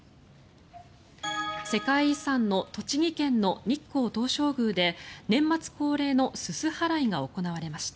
世界遺産の栃木県の日光東照宮で年末恒例のすす払いが行われました。